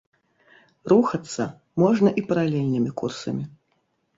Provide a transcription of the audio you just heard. Рухацца можна і паралельнымі курсамі.